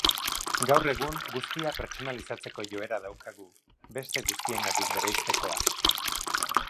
Gaur egun guztia pertsonalizatzeko joera daukagu, beste guztiengandik bereiztekoa.